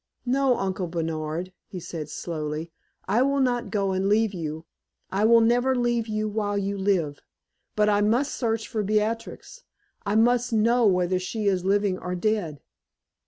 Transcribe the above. "No, Uncle Bernard," he said, slowly, "I will not go and leave you I will never leave you while you live. But I must search for Beatrix I must know whether she is living or dead.